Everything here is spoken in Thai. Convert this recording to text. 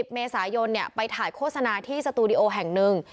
เมษายนไปถ่ายโฆษณาที่สตูดิโอแห่งหนึ่ง